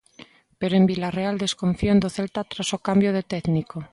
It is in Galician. Pero en Vilarreal desconfían do Celta tras o cambio de técnico.